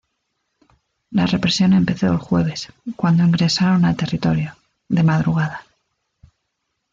La represión empezó el jueves, cuando ingresaron al territorio, de madrugada.